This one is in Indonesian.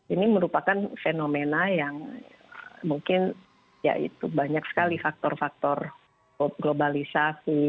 ini merupakan fenomena yang mungkin ya itu banyak sekali faktor faktor globalisasi